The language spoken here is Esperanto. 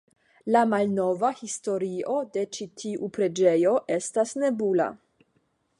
La malnova historio de ĉi tiu preĝejo estas nebula.